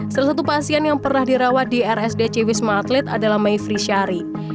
salah satu pasien yang pernah dirawat di rsdc wisma atlet adalah mayfri syari